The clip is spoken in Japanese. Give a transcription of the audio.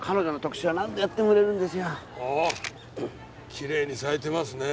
きれいに咲いてますね。